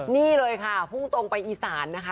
นี่เลยค่ะพุ่งตรงไปอีสานนะคะ